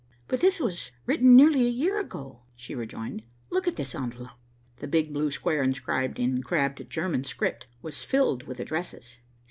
"But this was written nearly a year ago," she rejoined. "Look at this envelope." The big blue square inscribed in crabbed German script was filled with addresses.